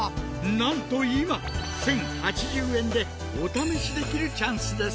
なんと今１，０８０円でお試しできるチャンスです！